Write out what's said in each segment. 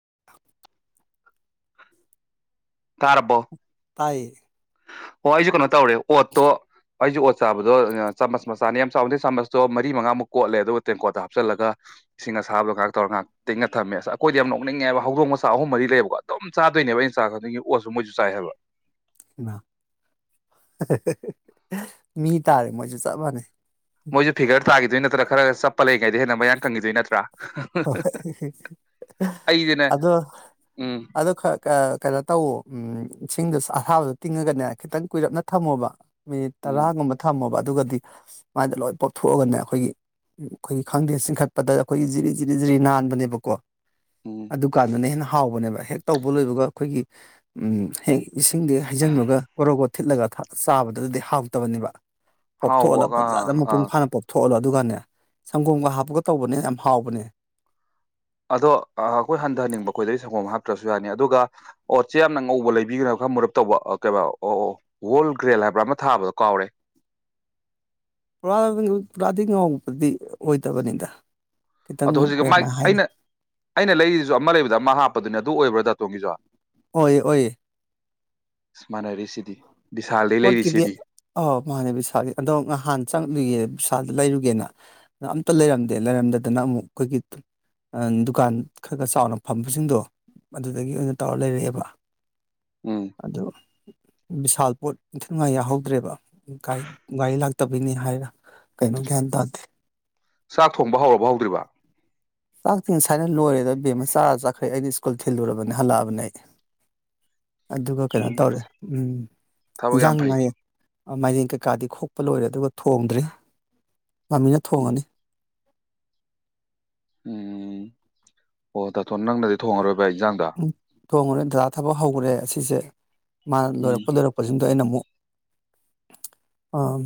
[inaudible] ꯇꯥꯔꯕꯣ ꯇꯥꯏꯌꯦ ꯑꯣ ꯑꯩꯖꯨ ꯀꯩꯅꯣꯠ ꯇꯧꯔꯦ ꯄꯣꯠꯇꯣ ꯑꯩꯁꯦ ꯑꯣꯠ ꯆꯥꯕꯗꯣ ꯆꯥꯃꯁ ꯃꯆꯥꯅꯤ ꯌꯥꯝ ꯆꯥꯎꯗꯩ ꯆꯥꯃꯁꯇꯣ ꯃꯔꯤ ꯃꯉꯥꯃꯨꯛ ꯀꯣꯠꯂꯦ ꯑꯗꯨꯒ ꯇꯦꯡꯀꯣꯠꯇ ꯍꯥꯞꯆꯜꯂꯒ ꯏꯁꯤꯡ ꯑꯁꯥꯕꯗꯣ ꯉꯥꯏꯍꯥꯛ ꯇꯧꯔꯒ ꯉꯥꯏꯍꯥꯛ ꯇꯤꯡꯉ ꯊꯝꯃꯦ ꯑꯁ ꯑꯩꯈꯣꯏꯗꯤ ꯌꯥꯝ ꯅꯣꯛꯅꯤꯡꯉꯦꯕ ꯍꯧꯗꯣꯡ ꯃꯆꯥ ꯑꯍꯨꯝ ꯃꯔꯤ ꯂꯩꯌꯦꯕꯀꯣ ꯑꯗꯨꯝ ꯆꯥꯗꯣꯏꯅꯦꯕ ꯑꯩꯅ ꯆꯥꯕ ꯈꯨꯗꯤꯡꯒꯤ ꯑꯣꯠꯁꯨ ꯃꯣꯏꯁꯨ ꯆꯥꯏ ꯍꯥꯏꯕ ꯃꯤ ꯇꯥꯔꯦ ꯃꯣꯏꯁꯨ ꯆꯞ ꯃꯥꯟꯅꯩ ꯃꯣꯏꯅ ꯐꯤꯒꯔ ꯇꯒꯤꯗꯣꯏ ꯅꯠꯇ꯭ꯔ ꯈꯔ ꯆꯞ ꯄꯜꯂꯤꯉꯩꯗ ꯍꯦꯟꯅ ꯃꯌꯥꯡꯪꯈꯤꯗꯣꯏ ꯅꯠꯇ꯭ꯔꯥ ꯍꯣ ꯍꯣꯏ ꯑ ꯍꯤ ꯍꯤ ꯑꯩꯗꯤꯅꯦ ꯎꯝ ꯑꯥꯗꯣ ꯈꯔ ꯈꯔ ꯀꯩꯅꯣ ꯇꯧ ꯎ ꯑꯝ ꯏꯁꯤꯡꯗꯨ ꯑꯁꯥꯕꯗ ꯇꯤꯡꯉꯒꯅꯦ ꯈꯤꯇꯪ ꯀꯨꯏꯔꯞꯅ ꯊꯝꯃꯣꯕ ꯃꯤꯅꯤꯠ ꯎꯝ ꯇꯔꯥꯒꯨꯝꯕ ꯊꯝꯃꯣꯕ ꯑꯗꯨꯒꯗꯤ ꯃꯥꯏꯗꯣ ꯂꯣꯏ ꯄꯣꯛꯊꯣꯛꯑꯒꯅꯦ ꯑꯩꯈꯣꯏꯒꯤ ꯑꯩꯈꯣꯏꯒꯤ ꯈꯪꯗꯦ ꯆꯤꯡꯈꯠꯄꯗ ꯑꯩꯈꯣꯏꯒꯤ ꯖꯤꯔꯤ ꯖꯤꯔꯤ ꯖꯤꯔꯤ ꯅꯥꯟꯕꯅꯦꯕꯀꯣ ꯎꯝ ꯑꯗꯨ ꯀꯥꯟꯗꯅꯦ ꯍꯦꯟꯅ ꯍꯥꯎꯕꯅꯦꯕ ꯍꯦꯛ ꯇꯧꯕ ꯂꯣꯏꯕꯒ ꯑꯩꯈꯣꯏꯒꯤ ꯎꯝ ꯍꯦꯛ ꯏꯁꯤꯡꯗꯤ ꯍꯩꯖꯤꯜꯕꯒ ꯀꯣꯔꯣꯒꯣꯠ ꯊꯤꯠꯂꯒ ꯊꯛ ꯆꯥꯕꯗꯨꯗꯤ ꯍꯥꯎꯇꯕꯅꯦꯕ ꯄꯣꯛꯊꯣꯛꯍꯜꯂ ꯍꯥꯎꯕꯒ ꯑꯥ ꯐꯥꯖꯥꯅ ꯑꯥ ꯃꯄꯨꯡ ꯐꯥꯅ ꯄꯣꯛꯊꯣꯛꯍꯜꯂ ꯑꯗꯨꯒꯅꯦ ꯁꯪꯒꯣꯝꯒ ꯍꯥꯞꯄꯒ ꯇꯧꯕꯅꯦ ꯌꯥꯝ ꯍꯥꯎꯕꯅꯦ ꯑꯗꯣ ꯑꯩꯈꯣꯏ ꯍꯟꯊꯍꯟꯅꯤꯡꯕ ꯑꯩꯈꯣꯏꯗꯗꯒꯤ ꯁꯪꯒꯣꯝ ꯍꯥꯞꯇ꯭ꯔꯁꯨ ꯌꯥꯅꯤ ꯑꯗꯨꯒ ꯑꯣꯠꯁꯦ ꯌꯥꯝꯅ ꯉꯧꯕ ꯂꯩꯕꯤꯒꯔꯒ ꯃꯔꯨꯔꯨꯞ ꯇꯧꯕ ꯑ ꯀꯩꯕ ꯑ ꯑ ꯑꯣꯜ ꯒ꯭ꯔꯦꯜ ꯍꯥꯏꯕ꯭ꯔꯥ ꯑꯃ ꯊꯥꯕꯗꯣ ꯀꯥꯎꯔꯦ ꯄꯨꯔꯥ ꯕꯅꯤ ꯄꯨꯔꯥꯗꯤ ꯉꯥꯎꯕꯗꯤ ꯑꯣꯏꯗꯕꯅꯤꯗ ꯑꯗꯣ ꯈꯤꯇꯪ ꯍꯧꯖꯤꯛꯀꯤ ꯃꯥꯏ ꯀꯩꯃꯥꯏ ꯍꯥꯏꯅꯤ ꯑꯩꯅ ꯑꯩꯅ ꯂꯩꯔꯤꯁꯨ ꯑꯃ ꯂꯩꯕꯗ ꯑꯃ ꯍꯥꯞꯄꯗꯨꯅ ꯑꯗꯨ ꯑꯣꯏꯕ꯭ꯔꯥ ꯗꯇꯣꯝꯒꯤꯖꯣ ꯑꯣꯏ ꯑꯣꯏ ꯏꯁ ꯃꯥꯅꯔꯤꯁꯤꯗꯤ ꯑꯣꯠꯀꯤꯗꯤ ꯑ ꯃꯥꯅꯦ ꯕꯤꯁꯥꯗꯤ ꯑꯗꯣ ꯅꯍꯥꯟ ꯆꯠꯂꯨꯢꯌꯦ ꯑꯗꯨ ꯂꯩꯔꯨꯒꯦꯅ ꯑꯝꯇ ꯂꯩꯔꯝꯗꯦ ꯂꯩꯔꯝꯗꯗꯅ ꯑꯃꯨꯛ ꯑꯩꯈꯣꯏꯒꯤ ꯑ ꯗꯨꯀꯥꯟ ꯈꯔ ꯆꯥꯎꯅ ꯐꯝꯕꯁꯤꯡꯗꯣ ꯑꯗꯨꯗꯒꯤ ꯑꯣꯏꯅ ꯇꯧꯔ ꯂꯩꯔꯛꯑꯦꯕ ꯎꯝ ꯑꯗꯣ ꯕꯤꯁꯥꯜ ꯄꯣꯠ ꯏꯟꯊꯤ ꯅꯨꯉꯥꯏ ꯌꯥꯎꯍꯧꯗ꯭ꯔꯦꯕ ꯒꯥꯏ ꯒꯥꯔꯤ ꯂꯥꯛꯇꯕꯩꯅꯦ ꯍꯥꯏꯔ ꯀꯩꯅꯣ ꯒ꯭ꯌꯥꯟ ꯇꯥꯗꯦ ꯆꯥꯛ ꯊꯣꯡꯕ ꯍꯧꯔꯕꯣ ꯍꯧꯗ꯭ꯔꯤꯕ ꯆꯥꯛ ꯇꯤ ꯉꯁꯥꯏꯅ ꯂꯣꯏꯔꯦꯗ ꯕꯦꯝꯃ ꯆꯥꯔꯒ ꯆꯠꯈ꯭ꯔꯦ ꯑꯩꯗꯤ ꯁ꯭ꯀꯨꯜ ꯊꯤꯜꯂꯨꯔꯕꯅꯦ ꯍꯜꯂꯛꯑꯕꯅꯦ ꯑꯩ ꯑꯗꯨꯒ ꯀꯩꯅꯣ ꯎꯝ ꯇꯧꯔꯦ ꯎꯝ ꯊꯕꯛ ꯌꯥꯝ ꯏꯟꯖꯥꯡ ꯉꯥꯏ ꯐꯩꯀꯣ ꯃꯥꯏꯔꯦꯟ ꯀꯩꯀꯥꯗꯤ ꯈꯣꯛꯄ ꯂꯣꯏꯔꯦ ꯑꯗꯨꯒ ꯊꯣꯡꯗ꯭ꯔꯤ ꯃꯃꯤꯅ ꯎꯝ ꯊꯣꯡꯉꯅꯤ ꯎꯝ ꯑꯣ ꯇꯥꯇꯣꯟꯅ ꯅꯪꯅꯗꯤ ꯊꯣꯡꯉꯔꯣꯏꯕ ꯍꯤꯖꯥꯡꯗꯣ ꯊꯣꯡꯉ꯭ꯔꯦꯏ ꯗꯗꯥꯥ ꯊꯕꯛ ꯍꯧꯈ꯭ꯔꯦ ꯑꯁꯤꯁꯦ ꯃꯥ ꯎꯝ ꯂꯣꯏꯔꯛꯄ ꯂꯣꯏꯔꯛꯄꯁꯤꯡ ꯑꯩꯅ ꯑꯃꯨꯛ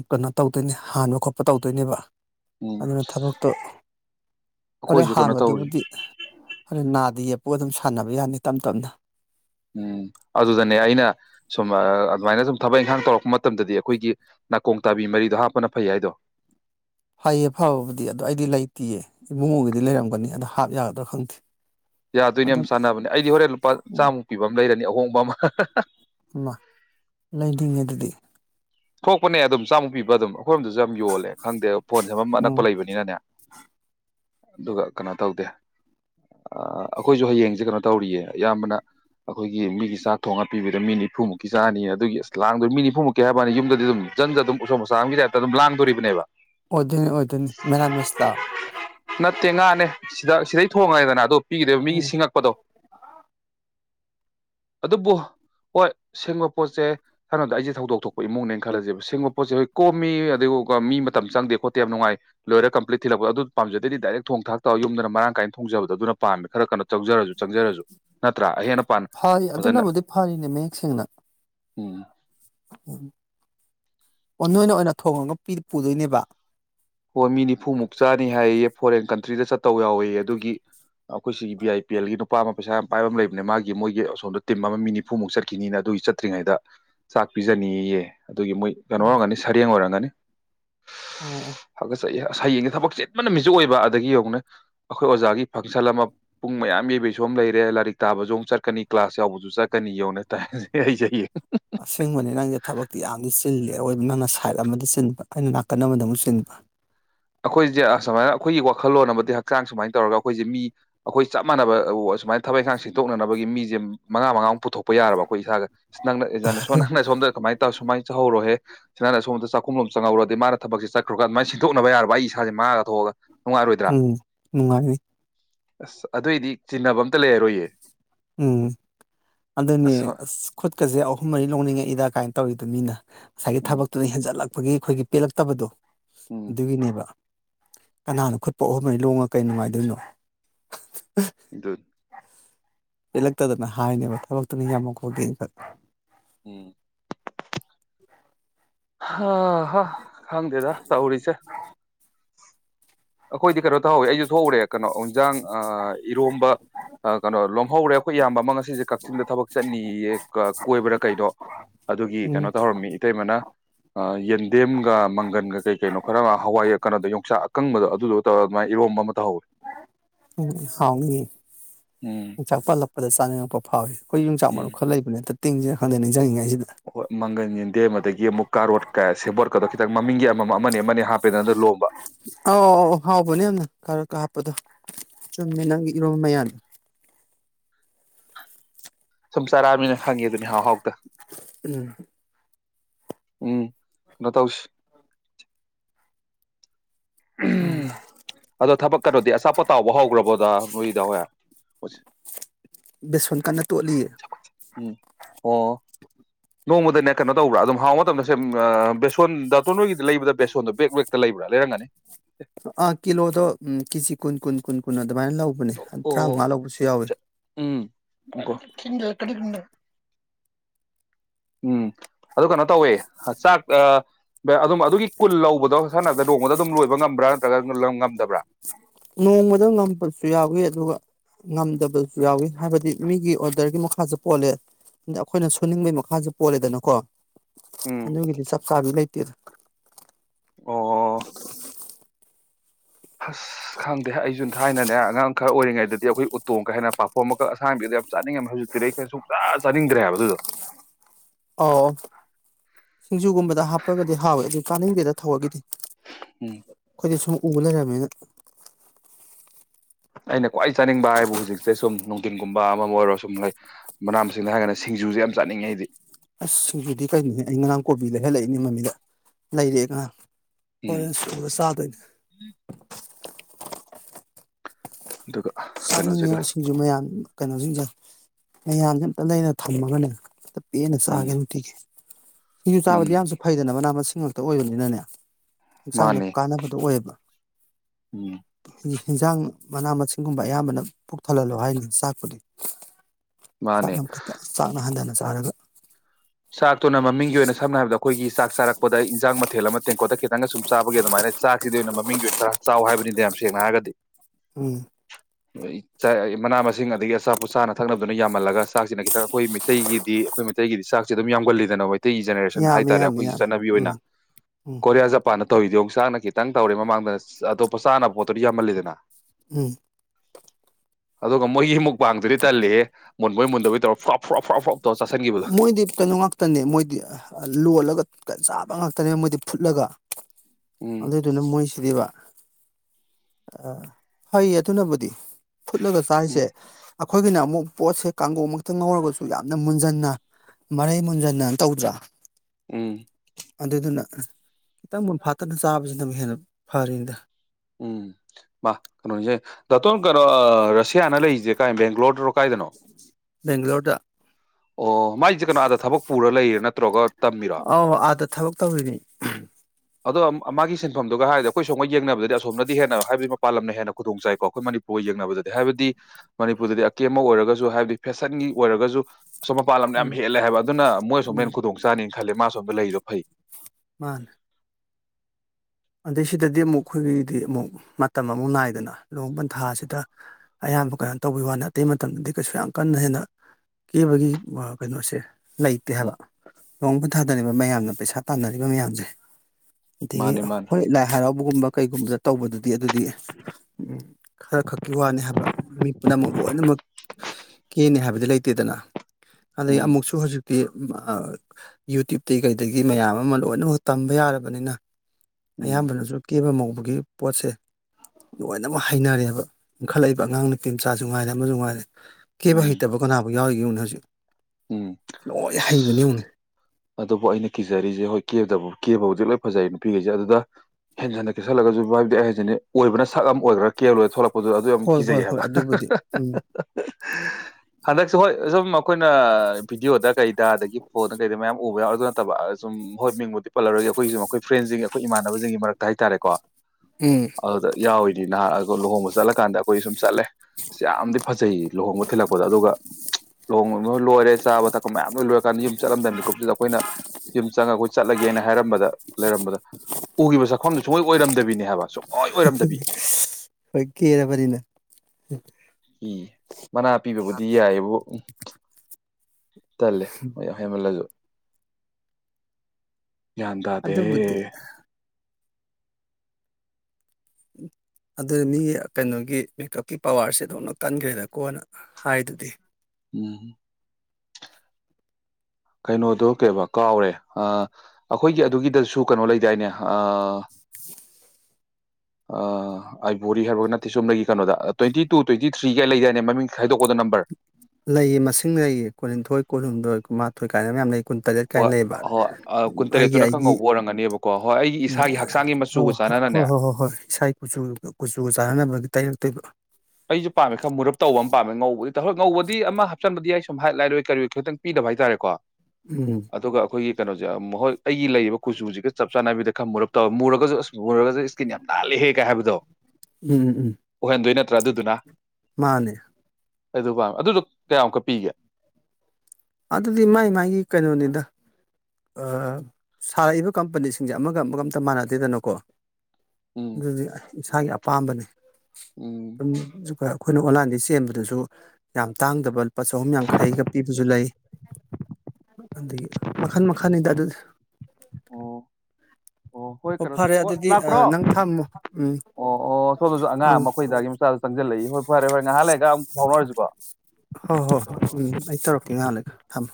ꯀꯩꯅꯣ ꯇꯧꯗꯣꯏꯅꯦ ꯍꯥꯟꯕ ꯈꯣꯠꯄ ꯇꯧꯗꯣꯏꯅꯦꯕ ꯎꯝ ꯑꯗꯨꯅ ꯊꯕꯛꯇꯣ ꯍꯣꯔꯦꯟ ꯑꯩꯈꯣꯏꯁꯨ ꯀꯩꯅꯣ ꯇꯧꯔꯤ ꯍꯥꯟꯕꯗꯨꯕꯨꯗꯤ ꯑ ꯅꯥꯗ ꯌꯦꯄꯣ ꯑꯗꯨꯝ ꯁꯥꯟꯅꯕ ꯌꯥꯅꯤ ꯇꯞ ꯇꯞꯅ ꯎꯝ ꯑꯗꯨꯗꯅꯦ ꯑꯩꯅ ꯁꯨꯝ ꯑꯗꯨꯃꯥꯏꯅ ꯁꯨꯝ ꯊꯕꯛ ꯏꯪꯈꯥꯡ ꯇꯧꯔꯛꯄ ꯃꯇꯝꯗꯗꯤ ꯑꯩꯈꯣꯏꯒꯤ ꯅꯥꯀꯣꯡ ꯇꯥꯕꯤ ꯃꯔꯤꯗꯣ ꯍꯥꯞꯄꯅ ꯐꯩ ꯍꯥꯏꯗꯣ ꯐꯩꯌꯦ ꯐꯕꯕꯨꯗꯤ ꯑꯗꯣ ꯑꯩꯗꯤ ꯂꯩꯇꯦꯌꯦ ꯏꯕꯨꯡꯉꯣꯒꯤꯗꯤ ꯂꯩꯔꯝꯒꯅꯤ ꯑꯗ ꯍꯥꯞ ꯌꯥꯒꯗ꯭ꯔꯥ ꯈꯪꯗꯦ ꯌꯥꯗꯣꯏꯅꯦ ꯌꯥꯝ ꯑꯗꯨꯝ ꯆꯥꯟꯅꯕꯅꯦ ꯑꯩꯗꯤ ꯍꯣꯔꯦꯟ ꯂꯨꯄꯥ ꯎꯝ ꯆꯥꯃꯨꯛ ꯄꯤꯕ ꯑꯃ ꯂꯩꯔꯦ ꯑꯍꯣꯡꯕ ꯑꯃ ꯃꯥ ꯂꯩꯅꯤꯡꯒꯦ ꯑꯗꯨꯤꯗꯤ ꯊꯣꯛꯄꯅꯦ ꯑꯗꯨꯝ ꯆꯥꯝꯃꯨꯛ ꯄꯤꯕ ꯑꯗꯨꯝ ꯑꯩꯈꯣꯏꯔꯣꯝꯗꯁꯨ ꯌꯥꯝ ꯌꯣꯜꯂꯦ ꯈꯪꯗꯦ ꯐꯣꯟ ꯁꯦꯝꯕꯝ ꯎꯝ ꯑꯅꯛꯄ ꯂꯩꯕꯅꯤꯅꯅꯦ ꯑꯗꯨꯒ ꯀꯩꯅꯣ ꯇꯧꯗꯦ ꯑꯈꯣꯏꯁꯨ ꯍꯌꯦꯡꯁꯦ ꯀꯩꯅꯣ ꯇꯧꯔꯤꯌꯦ ꯏꯌꯥꯝꯕꯅ ꯑꯈꯣꯏꯒꯤ ꯃꯤꯒꯤ ꯆꯥꯛ ꯊꯣꯡꯉ ꯄꯤꯕꯗ ꯃꯤ ꯅꯤꯐꯨꯃꯨꯛꯀꯤ ꯆꯥꯅꯤ ꯑꯗꯨꯒꯤ ꯑꯁ ꯂꯥꯡꯗꯨ ꯃꯤ ꯅꯤꯐꯨꯃꯨꯛ ꯀꯌꯥ ꯌꯨꯝꯗꯗꯤ ꯑꯗꯨꯝ ꯆꯟꯗ ꯑꯗꯨꯝ ꯎꯁꯣꯞꯃꯆꯥ ꯑꯃꯒꯤ ꯇꯥꯏꯞꯇ ꯑꯗꯨꯝ ꯂꯥꯡꯗꯣꯔꯤꯕꯅꯦꯕ ꯑꯣꯏꯗꯣꯏꯅꯦ ꯑꯣꯏꯗꯣꯏꯅꯦ ꯃꯦꯔꯥꯃꯦꯁ ꯂꯣ ꯅꯠꯇꯦ ꯉꯥꯅꯦ ꯁꯤꯗ ꯁꯤꯗꯩ ꯊꯣꯡꯉꯦꯗꯅ ꯑꯗꯣ ꯄꯤꯈꯤꯗꯕ ꯃꯤꯒꯤ ꯎꯝ ꯁꯤꯡꯉꯛꯄꯗꯣ ꯑꯗꯨꯕꯨ ꯍꯣꯏ ꯁꯦꯡꯕ ꯄꯣꯠꯁꯦ ꯀꯩꯅꯣꯗ ꯑꯩꯁꯦ ꯊꯧꯗꯣꯛ ꯊꯣꯛ ꯍꯣꯏ ꯏꯃꯨꯡꯅꯦꯅ ꯈꯜꯂꯁꯦꯕ ꯁꯦꯝꯕ ꯄꯣꯠꯁꯦ ꯍꯣ ꯀꯣꯝꯃꯤ ꯑꯗꯒꯤ ꯃꯤ ꯃꯇꯝ ꯆꯪꯗꯦ ꯈꯣꯠꯇꯦ ꯌꯥꯝ ꯅꯨꯡꯉꯥꯏ ꯂꯣꯏꯔ ꯀꯝꯄ꯭ꯂꯤꯠ ꯊꯤꯜꯂꯛꯄꯗ ꯑꯗꯨ ꯄꯥꯝꯖꯗꯦꯗꯤ ꯗꯥꯏꯔꯦꯛ ꯊꯣꯛ ꯊꯥꯛꯇꯧꯔ ꯌꯨꯝꯗꯅ ꯃꯔꯥꯡ ꯀꯥꯏꯅ ꯊꯣꯡꯖꯕꯗꯣ ꯑꯗꯨꯅ ꯄꯥꯝꯃꯦ ꯈꯔ ꯀꯩꯅꯣ ꯇꯧꯖꯔꯁꯨꯅꯦ ꯐꯔꯤ ꯐꯖꯅ ꯑꯗꯨꯅꯕꯨꯗꯤ ꯐꯔꯤꯅꯦ ꯃꯌꯦꯛ ꯁꯦꯡꯅ ꯎꯝ ꯑꯣ ꯅꯣꯏꯅ ꯑꯣꯏꯅ ꯊꯣꯡꯉꯒ ꯄꯤ ꯄꯨꯗꯣꯏꯅꯦꯕ ꯍꯣꯏ ꯃꯤ ꯅꯤꯐꯨꯃꯨꯛ ꯆꯥꯅꯤ ꯍꯥꯏꯌꯦ ꯐꯣꯔꯦꯟ ꯀꯟꯇ꯭ꯔꯤꯗ ꯆꯠꯇꯧ ꯌꯥꯎꯋꯦꯌꯦ ꯑꯗꯨꯒꯤ ꯑꯩꯈꯣꯏ ꯁꯤꯒꯤ ꯕꯤ ꯑꯥꯏ ꯄꯤ ꯑꯦꯜꯒꯤ ꯅꯨꯄꯥ ꯑꯃ ꯄꯩꯁꯥ ꯌꯥꯝ ꯄꯥꯏꯕ ꯑꯃ ꯂꯩꯕꯅꯦ ꯃꯥꯒꯤ ꯃꯣꯏꯒꯤ ꯑꯁꯣꯝꯗ ꯇꯤꯝ ꯑꯃ ꯃꯤ ꯅꯤꯐꯨꯃꯨꯛ ꯆꯠꯈꯤꯅꯤꯅ ꯑꯗꯨꯒꯤ ꯆꯠꯇ꯭ꯔꯤꯉꯩꯗ ꯆꯥꯛ ꯄꯤꯖꯅꯤꯑꯌꯦ ꯑꯗꯨꯒꯤ ꯃꯣꯏ ꯀꯩꯅꯣ ꯎꯝ ꯑꯣꯏꯔꯝꯒꯅꯤ ꯁꯔꯦꯡ ꯑꯣꯏꯔꯝꯒꯅꯤ ꯑꯣ ꯑꯣ ꯍꯥꯒꯠꯆꯩ ꯑꯁ ꯍꯌꯦꯡꯁꯦ ꯊꯕꯛ ꯆꯤꯟꯕ ꯅꯨꯃꯤꯠꯁꯨꯨ ꯑꯣꯏꯕ ꯑꯗꯒꯤ ꯌꯧꯅꯦ ꯑꯩꯈꯣꯏ ꯑꯣꯖꯥꯒꯤ ꯐꯪꯁꯟ ꯑꯃ ꯄꯨꯡ ꯃꯌꯥꯝ ꯌꯩꯕꯩꯁꯨ ꯑꯃꯝ ꯂꯩꯔꯦ ꯂꯥꯏꯔꯤꯛ ꯇꯥꯕꯁꯨ ꯑꯃꯨꯛ ꯆꯠꯀꯅꯤ ꯀ꯭ꯂꯥꯁ ꯌꯥꯎꯕꯁꯨ ꯆꯠꯀꯅꯤ ꯌꯧꯅ ꯇꯥꯏꯁꯦ ꯑꯩꯁꯦ ꯍꯌꯦꯡ ꯑꯁꯦꯡꯕꯅꯤ ꯅꯪꯁꯦ ꯊꯕꯛꯇꯤ ꯌꯥꯝꯗꯤ ꯆꯤꯜꯂꯦ ꯑꯥꯑꯣꯏꯅꯤ ꯅꯪꯅ ꯁꯥ꯭ꯏꯠ ꯑꯃꯗ ꯆꯤꯟꯕ ꯑꯩꯅ ꯅꯥꯀꯥꯟ ꯑꯃꯗ ꯑꯃꯨꯛ ꯆꯤꯟꯕ ꯑꯩꯈꯣꯏꯁꯦ ꯁꯃꯥ꯭ꯏꯅ ꯑꯩꯈꯣꯏꯒꯤ ꯋꯥꯈꯜꯂꯣꯟ ꯑꯃꯗꯤ ꯍꯛꯆꯥꯡ ꯁꯨꯃꯥꯏꯅ ꯇꯧꯔꯒ ꯑꯩꯈꯣꯏꯁꯦ ꯃꯤ ꯑꯩꯈꯣꯏ ꯆꯞ ꯃꯥꯟꯅꯕ ꯁꯨꯃꯥꯏꯅ ꯊꯕꯥꯛ ꯏꯟꯈꯥꯡ ꯁꯤꯟꯇꯣꯛꯅꯥꯅꯕꯒꯤ ꯃꯤ ꯒꯤꯝ ꯃꯉꯥ ꯃꯉꯥ ꯃꯨꯛ ꯄꯨꯊꯣꯛ ꯄꯣꯛꯄ ꯌꯥꯔꯕ ꯑꯩꯈꯣꯏ ꯏꯁꯥꯒꯦ ꯑꯦ ꯔꯥꯅꯦꯁꯣꯔ ꯅꯪꯅꯥ ꯁꯣꯝꯗꯥ ꯁꯨꯃꯥꯏꯅꯥ ꯊꯧꯍꯧꯔꯣꯍꯦ ꯁꯥꯅꯥꯅ ꯁꯣꯝꯗ ꯆꯥꯛꯈꯨꯝ ꯔꯣꯝ ꯆꯪꯍꯧꯔꯗꯤ ꯃꯥꯅ ꯊꯕꯛꯁꯦ ꯆꯠꯈ꯭ꯔꯥꯒꯥ ꯑꯗꯨꯃꯥꯏꯅ ꯁꯤꯟꯊꯣꯛꯅꯕ ꯌꯥꯔꯕ ꯑꯩ ꯢꯁꯥꯁꯦ ꯃꯥꯒꯥ ꯊꯣꯒꯥ ꯎꯝ ꯅꯨꯡꯉꯥꯏꯅꯤ ꯑꯁ ꯑꯗꯨꯑꯣꯏꯗꯤ ꯆꯤꯡꯅꯕ ꯑꯝꯇ ꯂꯩꯔꯔꯣꯏꯌꯦ ꯎꯝ ꯑꯗꯨꯅꯦ ꯑꯁ ꯈꯨꯠꯀꯥꯁꯦ ꯑꯍꯨꯝ ꯃꯔꯤ ꯂꯣꯡꯅꯤꯡꯉꯛꯏꯗ ꯀꯥꯏꯅ ꯇꯧꯔꯤꯗꯣ ꯃꯤꯅꯥ ꯉꯥꯁꯥꯏꯒꯤ ꯎꯝ ꯊꯕꯛꯇꯨꯅ ꯍꯦꯟꯖꯜꯂꯛ ꯑꯩꯈꯣꯏꯒꯤ ꯑꯩꯈꯣꯏꯒꯤ ꯄꯦꯜꯂꯛꯇꯕꯗꯣ ꯎꯝ ꯑꯗꯨꯒꯤꯅꯦꯕꯥ ꯀꯅꯥꯅꯣ ꯈꯨꯠꯄꯣꯛꯑꯝꯃꯦ ꯂꯣꯡꯉꯥ ꯀꯩ ꯅꯨꯡꯉꯥꯏꯗꯣꯏꯅꯣ ꯗꯨꯠ ꯄꯦꯜꯂꯛꯇꯥꯗꯅ ꯍꯥꯏꯅꯦꯕ ꯊꯕꯛꯇꯨꯅ ꯌꯥꯝꯃꯛꯈꯣꯗꯦꯅꯥ ꯎꯝ ꯍꯥ ꯍꯥ ꯈꯪꯡꯗꯦꯗꯥ ꯇꯧꯔꯤꯁꯦ ꯑꯩꯈꯣꯏꯗꯤ ꯀꯔꯣꯠ ꯇꯧꯍꯧꯋꯦ ꯑꯩꯁꯨ ꯊꯣꯛꯍꯎꯔꯦ ꯀꯩꯅꯣ ꯑꯦꯟꯖꯥꯡ ꯏꯔꯣꯝꯕ ꯀꯩꯅꯣ ꯂꯣꯝꯍꯧꯔꯦ ꯑꯩꯈꯣꯏ ꯏꯌꯥꯝꯕ ꯑꯃ ꯉꯁꯤꯁꯦ ꯀꯛꯆꯤꯡꯗ ꯊꯕꯛ ꯆꯠꯅꯤꯌꯦ ꯀꯣꯏꯕ꯭ꯔꯥ ꯀꯩꯅꯣ ꯑꯗꯨꯒꯤ ꯎꯝ ꯀꯩꯅꯣ ꯇꯧꯔꯝꯃꯦꯌꯦ ꯏꯇꯩꯃꯅ ꯌꯦꯟꯗꯦꯝꯒꯥ ꯃꯪꯒꯟꯒ ꯀꯩ ꯀꯩꯅꯣ ꯈꯔ ꯍꯋꯥꯏ ꯀꯩꯅꯣꯗꯣ ꯌꯣꯡꯆꯥꯛ ꯀꯪꯕꯗ ꯑꯛ ꯑ꯭ꯗꯨꯗꯨꯒꯥ ꯊꯧꯔꯒꯥ ꯑꯗꯨꯃꯥꯢꯅ ꯢꯔꯣꯝꯕ ꯑꯃꯥ ꯇꯧꯍꯧꯎꯋꯦ ꯎꯝ ꯍꯥꯎꯅꯤꯌꯦ ꯎꯝ ꯌꯣꯡꯆꯥꯛ ꯄꯜꯂꯛꯄꯗꯁꯦ ꯆꯥꯅꯤꯡꯉꯛꯄꯥ ꯐꯥꯎꯋꯦ ꯑꯩꯈꯣꯏ ꯌꯣꯡꯆꯥꯛ ꯃꯔꯨ ꯎꯝ ꯈꯔꯥ ꯂꯩꯕꯅꯦ ꯑꯝꯇꯥ ꯇꯤꯡꯖꯤꯔꯥ ꯈꯪꯗꯦ ꯅꯤꯡꯖꯥꯪꯉꯤꯉꯥꯏ ꯍꯣꯏ ꯃꯪꯒꯟ ꯌꯦꯟꯗꯦꯝ ꯑꯗꯒꯤ ꯑꯃꯨꯛ ꯀꯥꯔꯣꯠ ꯀꯥ ꯁꯦꯕꯣꯠꯀꯥꯗꯣ ꯈꯥꯇꯪ ꯃꯃꯤꯡꯒꯤ ꯑꯃꯥꯃꯝ ꯑꯃꯅꯤ ꯑꯃꯅꯤ ꯍꯥꯞꯄꯦꯗꯅꯥ ꯑꯗꯨꯒꯥ ꯂꯣꯟꯝꯕ ꯑꯧ ꯑꯧ ꯑꯧ ꯍꯥꯎꯕꯅꯦ ꯌꯥꯝꯅ ꯀꯥꯔꯣꯠꯀ ꯍꯥꯞꯄꯗꯣ ꯆꯨꯝꯃꯦ ꯅꯪꯒꯤ ꯏꯔꯣꯝꯕ ꯃꯌꯥꯟ ꯁꯨꯝ ꯆꯔꯛꯑꯕꯥꯅꯤꯅꯥ ꯈꯪꯉꯦ ꯗꯨꯅꯤ ꯍꯥꯎ ꯍꯥꯎꯇꯥ ꯎꯝ ꯎꯝ ꯅ ꯇꯧꯁꯤ ꯑꯗꯣ ꯊꯕꯛ ꯀꯩꯅꯣꯗꯤ ꯑꯆꯥꯄꯣꯠ ꯇꯥꯎꯕ ꯍꯧꯈ꯭ꯔꯕꯣ ꯗꯥ ꯍꯣꯢ ꯗꯥ ꯍꯣꯏ ꯍꯨꯁ ꯕꯦꯁꯣꯟ ꯀꯟꯅ ꯇꯣꯠꯂꯤꯌꯦ ꯎꯝ ꯑꯣ ꯅꯣꯡꯃꯗꯅꯦ ꯀꯩꯅꯣ ꯇꯧꯕ꯭ꯔꯥ ꯑꯗꯨꯝ ꯍꯥꯎꯕ ꯃꯇꯝꯗ ꯁꯦꯝꯕꯔꯥ ꯁꯦ ꯕꯦꯁꯣꯟ ꯗꯥ ꯇꯣꯟ ꯅꯣꯏꯒꯤ ꯗ ꯂꯩꯕꯗ ꯕꯦꯁꯣꯟꯗꯣ ꯕꯦꯛ ꯕꯦꯛ ꯇ ꯂꯩꯕ꯭ꯔꯥ ꯂꯩꯔꯝꯒꯅꯤ ꯑ ꯀꯤꯂꯣꯗꯣ ꯎ ꯀꯦꯖꯤ ꯀꯨꯟ ꯀꯨꯟ ꯀꯨꯟ ꯀꯨꯅ ꯅ ꯑꯗꯨꯃꯥꯏꯅ ꯂꯧꯕꯅꯦ ꯇꯔꯥꯃꯉꯥ ꯑꯣ ꯂꯧꯕꯁꯨ ꯌꯥꯎꯏꯤ [unintelligible] ꯎꯝ ꯑꯗꯨ ꯀꯩꯅꯣ ꯇꯧꯋꯦ ꯆꯥꯛ ꯑ ꯑꯗꯨꯝ ꯑꯗꯨꯒꯤ ꯀꯨꯜ ꯂꯧꯕꯗꯣ ꯁꯝꯅ ꯍꯥꯏꯗ ꯅꯣꯡꯃꯗ ꯑꯗꯨꯝ ꯂꯣꯏꯕ ꯉꯝꯕ꯭ꯔꯥ ꯅꯠꯇ꯭ꯔꯒ ꯉꯝꯗꯕ꯭ꯔꯥ ꯅꯣꯡꯃꯗ ꯉꯝꯕ ꯁꯨ ꯌꯥꯎꯏꯤ ꯑꯗꯨꯒ ꯉꯝꯗꯕꯁꯨ ꯌꯥꯎꯏ ꯍꯥꯏꯕꯗꯤ ꯃꯤꯒꯤ ꯑꯣꯔꯗꯔꯒꯤ ꯃꯈꯥꯁꯨ ꯄꯣꯜꯂꯦ ꯗ ꯑꯩꯈꯣꯏꯅ ꯁꯨꯟꯅꯤꯡꯕꯒꯤ ꯃꯈꯥꯁꯨ ꯄꯣꯜꯂꯦꯗꯅꯀꯣ ꯎꯝ ꯑꯗꯨꯒꯤꯗꯤ ꯆꯞ ꯆꯥꯗꯤ ꯂꯩꯇꯦꯗ ꯑꯣ ꯑꯁ ꯈꯪꯗꯦ ꯑꯩꯁꯨ ꯊꯥꯏꯅꯅꯦ ꯑꯉꯥꯡ ꯈꯔ ꯑꯣꯏꯔꯤꯉꯩꯗꯗꯤ ꯑꯩꯈꯣꯏ ꯎꯇꯣ ꯀ ꯍꯥꯏꯅ ꯄꯥꯐꯣ ꯃꯀꯛ ꯑꯁꯥꯡꯕꯤꯗꯣ ꯌꯥꯝ ꯆꯥꯅꯤꯡꯉꯝꯃꯦ ꯍꯧꯖꯤꯛꯇꯤ ꯂꯩꯈꯔ ꯁꯨꯛꯆꯥ ꯆꯥꯅꯤꯡꯗ꯭ꯔꯦꯕ ꯑꯗꯨꯗꯣ ꯑꯧ ꯁꯤꯡꯖꯨꯒꯨꯝꯕꯗ ꯍꯥꯞꯄꯒꯗꯤ ꯍꯥꯎꯋꯦ ꯑꯗꯨ ꯆꯥꯅꯤꯡꯗꯦꯗ ꯊꯧꯑꯣꯏꯡꯒꯤꯗꯤ ꯎꯝ ꯁꯨꯝ ꯎ ꯂꯩꯔꯝꯃꯤꯅ ꯑꯩꯅ ꯈ꯭ꯋꯥꯏ ꯆꯥꯅꯤꯡꯕ ꯍꯥꯏꯕꯨ ꯍꯧꯖꯤꯛꯁꯦ ꯁꯨꯝ ꯅꯨꯡꯊꯤꯟꯒꯨꯝꯕ ꯑꯝꯃꯕꯨ ꯑꯣꯏꯔꯣ ꯁꯨꯝ ꯂꯩ ꯃꯅꯥ ꯃꯁꯤꯡꯗ ꯍꯥꯏꯔꯒꯅ ꯁꯤꯡꯖꯨꯁꯦ ꯌꯥꯝ ꯆꯥꯅꯤꯡꯉꯦ ꯑꯩꯗꯤ ꯑꯁ ꯁꯤꯡꯗꯨꯗꯤ ꯀꯩꯅꯣꯍꯦ ꯑꯩ ꯉꯔꯥꯡ ꯀꯣꯕꯤ ꯂꯩꯍꯜꯂꯛꯏꯅꯦ ꯃꯃꯤꯗ ꯂꯩꯔꯛꯑꯦ ꯉꯔꯥꯡ ꯎꯝ ꯍꯣꯔꯦꯟ ꯁꯨꯔ ꯆꯥꯗꯣꯏꯅꯦ ꯑꯗꯨꯒ ꯀꯩꯅꯣꯁꯤꯒ ꯆꯥꯅꯤꯡꯉꯦꯕꯁꯤꯡꯖꯨ ꯃꯌꯥꯟ ꯀꯩꯅꯣꯁꯤꯡꯁꯦ ꯃꯌꯥꯟꯁꯦ ꯑꯝꯇ ꯂꯩꯔ ꯊꯝꯃꯒꯅꯦ ꯄꯦꯟꯅ ꯎꯝ ꯆꯥꯒꯦ ꯅꯨꯡꯇꯤꯒꯤ ꯁꯤꯡꯖꯨ ꯎꯝ ꯆꯥꯕꯗꯤ ꯌꯥꯝꯁꯨ ꯐꯩꯗꯅ ꯃꯅꯥ ꯃꯁꯤꯡ ꯁꯤ ꯉꯛꯇ ꯑꯣꯏꯕꯅꯤꯅꯅꯦ ꯍꯛꯆꯥꯡꯗ ꯃꯥꯅꯦ ꯀꯥꯟꯅꯕꯗꯣ ꯑꯣꯏꯌꯦꯕ ꯎꯝ ꯍꯤ ꯍꯤꯡꯖꯥꯡ ꯃꯅꯥ ꯃꯁꯤꯡ ꯨꯒꯨꯝꯕ ꯑꯌꯥꯝꯕꯅ ꯄꯨꯛ ꯊꯜꯍꯜꯂꯣ ꯍꯥꯏꯅꯤ ꯆꯥꯛꯄꯨꯗꯤ ꯃꯥꯅꯦ ꯆꯥꯛꯅꯝꯈꯤꯛꯇ ꯆꯥꯛꯅ ꯍꯟꯗꯅ ꯆꯥꯔꯒ ꯆꯥꯛꯇꯨꯅ ꯃꯃꯤꯡꯒꯤ ꯑꯣꯏꯅ ꯁꯝꯅ ꯍꯥꯏꯔꯕꯗ ꯑꯩꯈꯣꯏꯒꯤ ꯆꯥꯛ ꯆꯥꯔꯛꯄꯗ ꯏꯟꯖꯥꯡ ꯃꯊꯦꯜ ꯑꯃ ꯇꯦꯡꯀꯣꯠꯇ ꯈꯤꯇꯪꯒ ꯁꯨꯝ ꯆꯥꯕꯒꯤ ꯑꯗꯨꯃꯥꯏꯅ ꯆꯥꯛꯁꯤꯗꯤ ꯑꯣꯏꯅ ꯃꯃꯤꯡꯒꯤ ꯑꯣꯏꯅ ꯈꯔ ꯆꯥꯎ ꯍꯥꯏꯕꯅꯤꯗ ꯌꯥꯝ ꯁꯦꯡꯅ ꯍꯥꯏꯔꯒꯗꯤ ꯎꯝ ꯆ ꯌꯥꯢ ꯃꯅꯥ ꯃꯁꯤꯡ ꯑꯗꯒꯤ ꯑꯆꯥꯄꯣꯠ ꯆꯥꯅ ꯊꯛꯅꯕꯗꯨꯅ ꯌꯥꯝꯃꯜꯂꯒ ꯆꯥꯛꯁꯤꯅ ꯈꯤꯇꯪ ꯑꯩꯈꯣꯏ ꯃꯩꯇꯩꯒꯤꯗꯤ ꯑꯩꯈꯣꯏ ꯃꯩꯇꯩꯒꯤꯗꯤ ꯆꯥꯛ ꯁꯤ ꯑꯗꯨꯝ ꯌꯥꯝꯒꯜꯂꯤꯗꯅ ꯍꯣꯢ ꯑꯇꯩ ꯖꯦꯅꯦꯔꯦꯁꯟ ꯌꯥꯝꯃꯦ ꯍꯥꯏꯇꯥꯔꯦ ꯌꯥꯝꯃꯦ ꯑꯩꯈꯣꯏꯒꯤ ꯌꯥꯝꯃꯦ ꯆꯠꯅꯕꯤ ꯑꯣꯏꯅ ꯎꯝ ꯎꯝ ꯀꯣꯔꯤꯌꯥ ꯖꯄꯥꯟ ꯇꯧꯔꯤꯗꯣ ꯆꯥꯛꯅ ꯈꯤꯇꯪ ꯇꯧꯔꯦ ꯃꯃꯥꯡꯗꯅ ꯑꯇꯣꯞꯄ ꯆꯥꯅꯕ ꯄꯣꯠꯇꯨꯗꯤ ꯌꯥꯝꯃꯜꯂꯤꯗꯅ ꯎꯝ ꯑꯗꯨꯒ ꯃꯣꯏꯒꯤ ꯃꯨꯛ ꯕꯥꯡꯗꯨꯗꯤ ꯇꯜꯂꯤꯍꯦ ꯃꯨꯟꯕꯣꯏ ꯃꯨꯟꯗꯕꯣꯏ ꯇꯧꯔ ꯐ꯭ꯔꯞ ꯐ꯭ꯔꯞ ꯐ꯭ꯔꯥ ꯐꯞ ꯇꯧ ꯆꯥꯁꯟꯈꯤꯕꯗꯣ ꯉꯇꯅꯦ ꯃꯣꯏꯗꯤ ꯂꯣꯜꯂꯒ ꯆꯥꯕ ꯉꯥꯛꯇꯅꯦ ꯃꯣꯏꯗꯤ ꯐꯨꯠꯂꯒ ꯎꯝ ꯑꯗꯨꯗꯨꯅ ꯃꯣꯏꯁꯤꯗꯤꯕ ꯑꯍ ꯐꯩ ꯑꯕꯨꯅꯕꯨꯗꯤ꯫ ꯐꯨꯠꯂꯒ ꯎꯝ ꯆꯥꯏꯁꯦ ꯑꯩꯈꯣꯏꯒꯤꯅ ꯑꯃꯨꯛ ꯄꯣꯠꯁꯦ ꯀꯥꯡꯕꯨ ꯃꯛꯇ ꯉꯧꯔꯒꯁꯨ꯫ ꯨ ꯌꯥꯝꯅ ꯃꯨꯟꯖꯟꯅ ꯃꯔꯩ ꯃꯨꯟꯖꯟꯅ ꯇꯧꯗ꯭ꯔꯥ꯫ ꯎꯝ꯫ ꯑꯗꯨꯗꯨꯅ ꯈꯤꯇꯪ ꯃꯨꯟꯐꯥꯠꯇꯅ ꯆꯥꯕꯁꯤꯅꯕꯨ ꯍꯦꯟꯅ ꯐꯔꯤꯅꯤꯗ ꯎꯝ ꯃꯥ ꯀꯌꯥꯅꯣ ꯂꯩꯔꯤꯁꯦ ꯀꯥꯏ ꯕꯦꯡꯒ꯭ꯂꯣꯔꯗꯔꯣ ꯀꯥꯏꯗꯅꯣ ꯕꯦꯡꯒ꯭ꯂꯣꯔꯗ ꯑꯣ ꯃꯥꯏꯁꯦ ꯀꯅꯥꯗ ꯊꯕꯛ ꯄꯨꯔ ꯂꯩꯔꯦ ꯅꯠꯇ꯭ꯔꯒ ꯇꯝꯃꯤꯔꯣ ꯑꯧ ꯑꯥꯗ ꯊꯕꯛ ꯇꯧꯔꯤꯅꯤ ꯑꯗꯣ ꯃꯥꯒꯤ ꯁꯤꯟꯐꯝꯗꯨꯒ ꯍꯥꯏꯔꯗꯤ ꯑꯩꯈꯣꯏ ꯁꯣꯝꯒ ꯌꯦꯡꯅꯕꯗꯗꯤ ꯑꯁꯣꯝꯅꯗꯤ ꯍꯦꯟꯅ ꯍꯥꯏꯕꯗꯤ ꯃꯄꯥꯟ ꯂꯝꯅ ꯍꯦꯟꯅ ꯈꯨꯗꯣꯡ ꯆꯥꯏꯀꯣ ꯑꯩꯈꯣꯏ ꯃꯅꯤꯄꯨꯔꯒ ꯌꯦꯡꯅꯕꯗꯗꯤ ꯍꯥꯏꯕꯗꯤ ꯃꯅꯤꯄꯨꯔꯗꯗꯤ ꯑꯀꯦ ꯑꯃꯧ ꯑꯣꯏꯔꯒꯁꯨ ꯍꯥꯏꯕꯗꯤ ꯐꯦꯁꯟꯒꯤ ꯑꯣꯏꯔꯒꯁꯨ ꯑꯁꯣ ꯃꯄꯥꯟ ꯂꯝꯗ ꯌꯥꯝ ꯎꯝ ꯍꯦꯜꯂꯦ ꯍꯥꯏꯕ ꯑꯗꯨꯅ ꯃꯣꯏ ꯑꯁꯣꯝꯅ ꯎꯝ ꯍꯦꯟꯅꯈꯨꯗꯣꯡ ꯆꯥꯅꯤ ꯈꯜꯂꯦ ꯃꯥꯁꯣꯝꯗ ꯂꯩꯗꯣ ꯐꯩ ꯃꯥꯥꯅꯦ ꯑꯗꯩ ꯁꯤꯗꯗꯤ ꯑꯃꯨꯛ ꯑꯩꯈꯣꯏꯒꯤꯗꯤ ꯑꯃꯨꯛ ꯃꯇꯝ ꯑꯃꯨꯛ ꯅꯥꯏꯗꯅ ꯂꯨꯍꯣꯡ ꯄꯟꯊꯥꯁꯤꯗ ꯑꯌꯥꯝꯕ ꯀꯩꯅꯣ ꯇꯧꯕꯤ ꯋꯥꯅꯤ ꯑꯇꯩ ꯃꯇꯝꯗꯗꯤ ꯀꯩꯁꯨ ꯌꯥꯝ ꯀꯟꯅ ꯍꯦꯟꯅ ꯀꯦꯕꯒꯤ ꯀꯩꯅꯣꯁꯦ꯫ ꯂꯩꯇꯦ ꯎꯝ ꯍꯥꯏꯕ ꯅꯣꯡ ꯄꯥꯟꯊꯥꯗꯅꯦꯕ ꯃꯌꯥꯝꯅ ꯄꯩꯁꯥ ꯇꯥꯟꯅꯔꯤꯕ ꯃꯌꯥꯝꯖꯦ꯫ ꯑꯗꯒꯤ ꯃꯥꯅꯦ ꯑꯣ꯫ ꯃꯥꯅꯦ ꯍꯣꯏ ꯂꯥꯏ ꯍꯔꯥꯎ ꯒꯨꯝꯕ ꯀꯩꯒꯨꯝꯕꯗ ꯇꯧꯕꯗꯨ꯫ ꯗꯤ ꯑꯗꯨꯗꯤ ꯎ ꯈꯔ ꯈꯛꯀꯤ ꯋꯥꯅꯤ ꯍꯥꯏꯕ ꯃꯤ ꯄꯨꯝꯅꯃꯛ ꯂꯣꯏꯅꯃꯛ ꯀꯦꯅꯤ ꯍꯥꯏꯕ ꯂꯩꯇꯦꯗꯅ ꯑꯗꯩ ꯎꯝ ꯑꯃꯨꯛꯁꯨ ꯍꯧꯖꯤꯛ ꯏ ꯑ ꯌꯨꯇ꯭ꯌꯨꯕꯇꯒꯤ ꯀꯩꯗꯒꯤ ꯃꯌꯥꯝ ꯑꯃ ꯂꯣꯏꯅꯃꯛ ꯇꯝꯕ ꯌꯥꯔꯕꯅꯤꯅ ꯎꯝ ꯑꯌꯥꯝꯕꯅꯁꯨ ꯀꯦꯕ ꯃꯧꯕ ꯑꯗꯨꯒꯤ ꯄꯣꯠꯁꯦ ꯂꯣꯏꯅꯃꯛ ꯍꯩꯅꯔꯦꯕ ꯏꯟꯈꯠꯂꯛꯏꯕ ꯑꯉꯥꯡ ꯅꯨꯄꯤ ꯃꯆꯥꯁꯨ ꯉꯥꯏꯔꯦ ꯑꯃꯁꯨ ꯉꯥꯏꯔꯦ꯫ ꯀꯦꯕ ꯎꯝ ꯍꯩꯇꯕ ꯀꯥꯅꯕꯨ꯫ ꯌꯥꯎꯔꯤꯒꯤ ꯍꯧꯅꯦ ꯍꯧꯖꯤꯛ ꯎꯝ ꯂꯣꯏ ꯍꯩꯕꯅꯤ ꯑꯁ ꯍꯧꯅꯦ ꯑꯗꯨꯕꯨ ꯑꯩꯅ ꯀꯤꯖꯔꯤꯁꯦ ꯍꯣꯏ ꯀꯦꯕꯗꯕꯨ ꯀꯦꯕꯕꯨꯗꯤ ꯂꯣꯏ ꯐꯖꯩ ꯅꯨꯄꯤꯈꯩꯁꯦ ꯑꯗꯨꯗ ꯍꯦꯟꯖꯟꯅ ꯀꯦꯁꯜꯂꯒꯁꯨ ꯚꯥꯏ ꯑꯩ ꯍꯥꯏꯖꯤꯅꯤ ꯑꯣꯏꯕꯅ ꯁꯛ ꯑꯃ ꯑꯣꯏꯒ꯭ꯔꯥ ꯀꯦꯕ ꯂꯣꯏꯔ ꯊꯣꯛꯂꯛ꯫ ꯑꯗꯨ ꯑꯗꯨ ꯌꯥꯝ ꯍꯣꯏ ꯀꯤꯖꯩ ꯍꯣꯏ ꯍꯣꯏ ꯍꯥꯏꯕ ꯑꯗꯨꯕꯨꯗꯤ ꯎꯝ ꯍꯥꯍꯍꯍꯍꯍꯍꯏꯌ ꯍꯟꯗꯛ꯫ ꯊꯣꯏ ꯁꯨꯝ ꯑꯩꯈꯣꯏꯅ ꯕꯤꯗꯤꯑꯣꯗ ꯀꯩꯗ ꯑꯗꯒꯤ ꯐꯣꯟꯗ ꯀꯩꯗ ꯃꯌꯥꯝ ꯎꯕ ꯌꯥꯎ ꯑꯗꯨ ꯅꯠꯇꯕ ꯁꯨꯝ ꯍꯣꯏ ꯃꯤꯡꯕꯨꯗꯤ꯫ ꯄꯜꯂꯔꯒꯣꯏꯒꯦ ꯑꯩꯈꯣꯏꯁꯨ ꯃꯈꯣꯏ ꯐ꯭ꯔꯦꯟꯁꯤꯡ ꯑꯩꯈꯣꯏ ꯏꯃꯥꯟꯅꯕꯁꯤꯡꯒꯤ ꯃꯔꯛꯇ ꯍꯥꯏꯇꯥꯔꯦꯀꯣ ꯎꯝ ꯑꯗꯨꯗ ꯌꯥꯎꯋꯤꯅꯤ ꯅꯍꯥꯟ ꯂꯨꯍꯣꯡꯕ ꯆꯠꯂꯀꯥꯟꯗ ꯑꯩꯈꯣꯏ ꯁꯨꯝ ꯆꯠꯂꯦ ꯏꯁ ꯌꯥꯝꯗꯤ ꯐꯖꯩꯌꯦ ꯂꯨꯍꯣꯡꯕ ꯊꯤꯜꯂꯛꯄꯗ ꯑꯗꯨꯒ ꯂꯨꯍꯣꯡꯕ ꯃꯥ ꯂꯣꯏꯔꯦ ꯆꯥꯕ ꯊꯛꯄ ꯃꯌꯥꯝ ꯂꯣꯏ ꯂꯣꯏꯔꯀꯥꯟꯗ ꯌꯨꯝ ꯆꯠꯂꯝꯗꯥꯏ ꯃꯤꯀꯨꯞꯁꯤꯗ ꯑꯩꯈꯣꯏꯅ ꯌꯨꯝ ꯆꯪꯉꯒ ꯑꯩꯈꯣꯏ ꯆꯠꯂꯒꯦꯅ ꯍꯥꯏꯔꯝꯃꯒ ꯂꯩꯔꯝꯕꯗ ꯎꯒꯤꯕ ꯁꯛꯐꯝꯗꯣ ꯁꯨꯡꯑꯣꯏ ꯑꯣꯏꯔꯝꯗꯕꯤꯅꯦ ꯍꯥꯏꯕ ꯁꯨꯒ ꯍꯣꯏ ꯀꯦꯔꯕꯅꯤꯅ [unintelligible] ꯃꯅꯥ ꯄꯤꯕꯕꯨꯗꯤ ꯌꯥꯏꯌꯦꯕꯨ ꯎꯪ ꯇꯜꯂꯦ ꯍꯣꯏ ꯍꯥꯃꯜꯂꯁꯨ ꯒꯌꯥꯟ ꯑꯗꯨꯕꯨꯗꯤ ꯇꯥꯗꯦꯍꯦ ꯑꯗꯨ ꯃꯤ ꯀꯩꯅꯣꯒꯤ ꯃꯦꯀꯞꯀꯤ ꯄꯋꯥꯔꯁꯦ ꯑꯗꯨꯛꯅ ꯀꯟꯈ꯭ꯔꯦꯗꯀꯣꯅ ꯍꯥꯏꯗꯨꯗꯤ ꯎꯝ ꯀꯩꯅꯣꯗꯣ ꯀꯩꯕ ꯀꯥꯎꯔꯦ ꯑꯥ ꯑꯩꯈꯣꯏꯒꯤ ꯑꯗꯨꯒꯤꯗꯁꯨ ꯀꯩꯅꯣ ꯂꯩꯗꯥꯏꯅꯦ ꯑꯥ ꯑꯩꯥꯏ ꯕꯣꯔꯤ ꯍꯥꯏꯕꯔꯣ ꯅꯠꯇꯦ ꯆꯨꯃꯅꯒꯤ ꯀꯩꯅꯣꯗ ꯇ꯭ꯣꯋꯇꯤ ꯇꯨ ꯇ꯭ꯣꯋꯇꯤ ꯊ꯭ꯔꯤ ꯀꯥꯏ ꯂꯩꯗꯥꯏꯅꯦ ꯃꯃꯤꯡ ꯈꯥꯏꯗꯣꯛꯄꯗꯣ ꯅꯝꯕꯔ ꯂꯩꯌꯦ ꯃꯁꯤꯡ ꯂꯩꯌꯦ ꯀꯨꯟꯅꯤꯊꯣꯏ ꯀꯨꯟꯍꯨꯝꯗꯣꯏ ꯃꯥꯊꯣꯏ ꯀꯥꯏꯅ ꯃꯌꯥꯝ ꯂꯩ ꯀꯨꯟꯇꯔꯦꯠ ꯍꯣꯏ ꯀꯥꯏꯅ ꯂꯩꯌꯦꯕ ꯑꯍꯣꯏ ꯑ ꯀꯨꯟꯇꯔꯦꯠꯇꯨꯅ ꯈꯔ ꯉꯧꯕ ꯑꯣꯏꯔꯝꯒꯅꯤꯕꯀꯣ ꯎꯝ ꯑ ꯑ ꯍꯣ ꯍꯣꯏ ꯍꯣꯏ ꯍꯣꯏ ꯍꯣꯏ ꯏꯁꯥꯏ ꯀꯨꯆꯨ ꯀꯨꯆꯨꯒ ꯆꯥꯟꯅꯅꯕꯒꯤ ꯇꯩꯔꯛꯇꯣꯏꯕ ꯑꯩꯁꯨ ꯄꯥꯝꯃꯦ ꯈꯔ ꯃꯨꯔꯞ ꯇꯧꯕ ꯑꯃ ꯄꯥꯝꯃꯦ ꯉꯧꯕꯗꯤ ꯉꯧꯕꯗꯤ ꯑꯃ ꯍꯥꯞꯆꯟꯕꯗꯤ ꯌꯥ ꯁꯨꯝ ꯍꯥꯏꯂꯥꯏꯠꯑꯣꯏ ꯀꯔꯤꯑꯣꯏ ꯈꯤꯇꯪ ꯄꯤꯅꯕ ꯍꯥꯏꯇꯥꯔꯦꯀꯣ ꯎꯝ ꯑꯗꯨꯒ ꯑꯩꯈꯣꯏꯒꯤ ꯀꯩꯅꯣꯁꯦ ꯃꯍꯣꯏ ꯑꯩꯒꯤ ꯂꯩꯔꯤꯕ ꯀꯨꯆꯨꯁꯤꯒ ꯆꯞ ꯆꯥꯟꯅꯕꯤꯗ ꯈꯔ ꯃꯨꯔꯞ ꯇꯧꯔ ꯃꯨꯔ [unintelligible] ꯀꯤꯟ ꯌꯥꯝ ꯅꯥꯜꯂꯤꯍꯦ ꯀꯥꯏ ꯍꯥꯏꯕꯗꯣ ꯎꯝ ꯎꯝ ꯑꯣꯏꯍꯟꯗꯣꯏ ꯅꯠ ꯇ꯭ꯔ ꯑꯗꯨꯗꯨꯅ ꯃꯥꯅꯦ ꯑꯗꯨ ꯄꯥꯝ ꯑꯗꯨꯗꯨ ꯀꯌꯥꯃꯨꯛꯀ ꯄꯤꯒꯦ ꯑꯗꯨꯗꯤ ꯃꯥꯏ ꯃꯥꯒꯤ ꯀꯩꯅꯣꯅꯤꯗ ꯑꯥ ꯁꯥꯔꯛꯏꯕ ꯀꯝꯄꯅꯤꯁꯤꯡꯁꯦ ꯑꯃꯒ ꯑꯃꯒ ꯑꯝꯇ ꯃꯥꯟꯅꯗꯦꯗꯅꯀꯣ ꯎꯝ [unintelligible] ꯏꯁꯥꯒꯤ ꯑꯄꯥꯝ ꯄꯥꯝꯕꯅꯤ [unintelligible] ꯎꯝ ꯑꯩꯈꯣꯏꯅ ꯑꯣꯟꯂꯥꯏꯟꯗꯩ ꯆꯦꯟꯕꯗꯁꯨ ꯌꯥꯝ ꯇꯥꯡꯗꯕ ꯂꯨꯄꯥ ꯆꯍꯨꯝ ꯌꯥꯡꯈꯩꯒ ꯄꯤꯕꯁꯨ ꯂꯩ ꯑꯗꯒꯤ ꯃꯈꯜ ꯃꯈ ꯈꯅꯤꯗ ꯑꯗꯨꯗꯤ ꯑꯣ ꯑꯣ ꯍꯣꯏ ꯀꯩꯅꯣ ꯐꯔꯦ ꯑꯣ ꯑꯗꯨꯗꯤ ꯂꯥꯛꯄ꯭ꯔꯣ ꯅꯪ ꯊꯝꯃꯣ ꯎꯝ ꯑꯣ ꯑꯣ ꯁꯣꯟꯗꯁꯨ ꯑꯉꯥꯡ ꯑꯪ ꯑꯃ ꯑꯈꯣꯏꯗꯥꯒꯤ ꯃꯆꯥꯗꯣ ꯆꯪꯖꯜꯂꯛꯏ ꯐꯔꯦ ꯐꯔꯦ ꯉꯥꯏꯍꯥꯛ ꯂꯩꯒ ꯑꯃꯨꯛ ꯐꯥꯎꯅꯔꯁꯤꯀꯣ ꯍꯣꯏ ꯍꯣꯏ ꯍꯣꯏ ꯎꯝ ꯑꯩ ꯇꯧꯔꯛꯀꯦ ꯉꯥꯏꯍꯥꯛ ꯂꯩꯒ ꯊꯝꯃꯣ